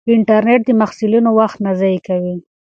انټرنیټ د محصلینو وخت نه ضایع کوي.